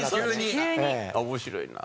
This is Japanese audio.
面白いな。